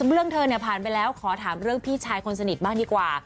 เรื่องเธอเนี่ยผ่านไปแล้วขอถามเรื่องพี่ชายคนสนิทบ้างดีกว่า